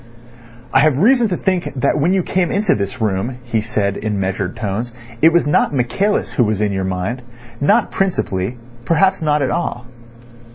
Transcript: "I have reason to think that when you came into this room," he said in measured tones, "it was not Michaelis who was in your mind; not principally—perhaps not at all."